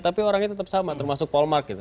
tapi orangnya tetap sama termasuk paul mark gitu